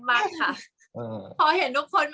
กากตัวทำอะไรบ้างอยู่ตรงนี้คนเดียว